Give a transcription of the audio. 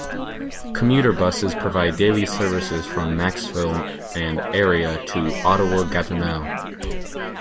Commuter buses provide daily services from Maxville and area to Ottawa-Gatineau.